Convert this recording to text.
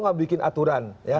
tidak membuat aturan